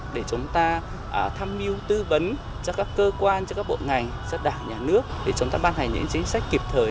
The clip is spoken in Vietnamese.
để chúng ta tham mưu tư vấn cho các cơ quan các bộ ngành đảng nhà nước để chúng ta ban hành những chính sách kịp thời